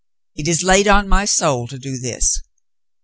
It is laid on my soul to do this.'